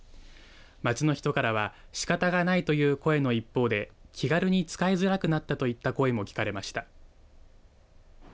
街の人からは仕方がないという声の一方で気軽に使い辛くなったといった声も聞かれました。